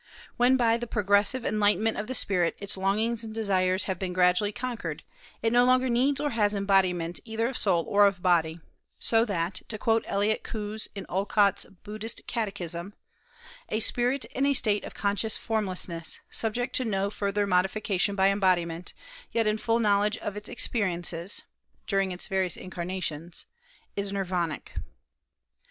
When by the progressive enlightenment of the spirit its longings and desires have been gradually conquered, it no longer needs or has embodiment either of soul or of body; so that, to quote Elliott Coues in Olcott's "Buddhist Catechism," "a spirit in a state of conscious formlessness, subject to no further modification by embodiment, yet in full knowledge of its experiences [during its various incarnations], is Nirvanic."